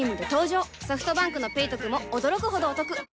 ソフトバンクの「ペイトク」も驚くほどおトク